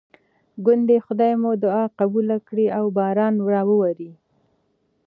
ګوندې خدای مو دعا قبوله کړي او باران راواوري.